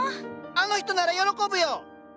あの人なら喜ぶよ！